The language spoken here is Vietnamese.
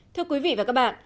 thưa quý vị và các bạn